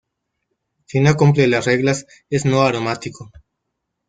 Si no cumple las reglas es no aromático.